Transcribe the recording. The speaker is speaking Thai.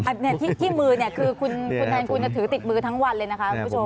ที่มือคือคุณแทนกูลจะถือติดมือทั้งวันเลยนะคะ